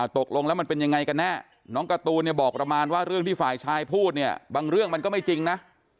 ตกลงแล้วมันเป็นยังไงกันแน่น้องการ์ตูนเนี่ยบอกประมาณว่าเรื่องที่ฝ่ายชายพูดเนี่ยบางเรื่องมันก็ไม่จริงนะ